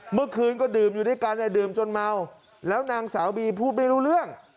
เมื่อคืนก็ดื่มอยู่ด้วยกันดื่มจนเมาแล้วนางสาวบีพูดไม่รู้เรื่อง